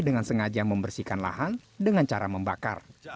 dengan sengaja membersihkan lahan dengan cara membakar